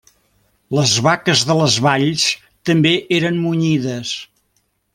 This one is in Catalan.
Les vaques de les valls també eren munyides.